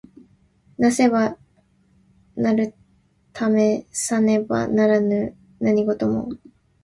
為せば成る為さねば成らぬ何事も。